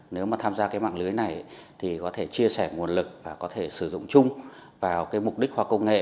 nếu mà tham gia cái mạng lưới này thì có thể chia sẻ nguồn lực và có thể sử dụng chung vào cái mục đích khoa học công nghệ